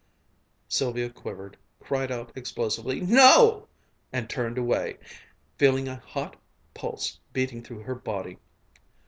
Sylvia quivered, cried out explosively, "No!" and turned away, feeling a hot pulse beating through her body.